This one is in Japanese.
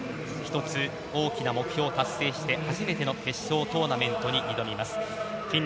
１つ大きな目標を達成して初めての決勝トーナメントに挑みます。